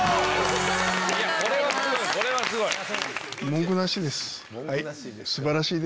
これはすごい！